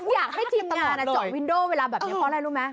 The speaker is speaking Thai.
อยากให้วินโดรแบบนี้เค้าอะไรรู้ไหม